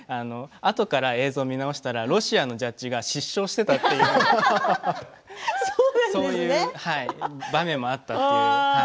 あとから映像を見るとロシアのジャッジが失笑しているという場面もあったという。